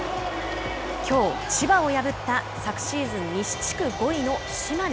きょう千葉を破った昨シーズン西地区５位の島根。